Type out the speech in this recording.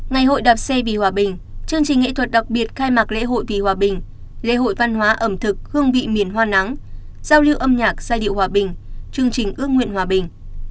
ngày hội đạp xe vì hòa bình chương trình nghệ thuật đặc biệt khai mạc lễ hội vì hòa bình lễ hội văn hóa ẩm thực hương vị miền hoa nắng giao lưu âm nhạc giai điệu hòa bình chương trình ước nguyện hòa bình